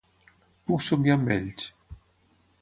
Puc somiar amb ells.